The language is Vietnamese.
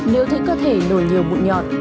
nếu thấy cơ thể nổi nhiều mụn nhọt